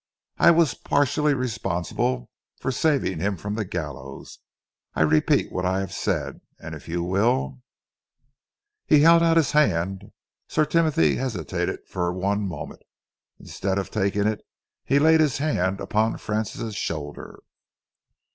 "I was partially responsible for saving him from the gallows. I repeat what I have said. And if you will " He held out his hand. Sir Timothy hesitated for one moment. Instead of taking it, he laid his hand upon Francis' shoulder.